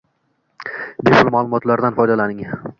bepul maʼlumotlardan foydalaning